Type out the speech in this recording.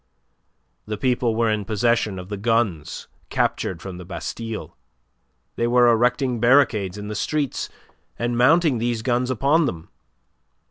The people were in possession of the guns captured from the Bastille. They were erecting barricades in the streets, and mounting these guns upon them.